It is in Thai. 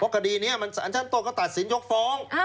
เพราะคดีนี้อันชั้นต้นก็ตัดสินยกฟ้อง